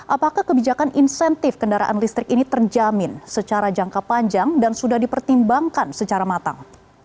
apakah kebijakan insentif kendaraan listrik ini terjamin secara jangka panjang dan sudah dipertimbangkan secara matang